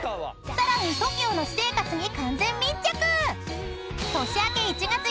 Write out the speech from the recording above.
［さらにＴＯＫＩＯの私生活に完全密着！］